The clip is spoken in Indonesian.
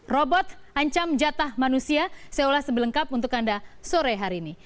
robot ancam jatah manusia seolah sebelengkap untuk anda sore hari ini